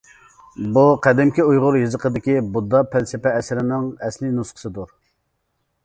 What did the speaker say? بۇ، قەدىمكى ئۇيغۇر يېزىقىدىكى بۇددا پەلسەپە ئەسىرىنىڭ ئەسلىي نۇسخىسىدۇر.